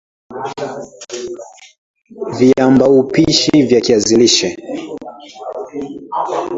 Viambaupishi vya kiazi lishe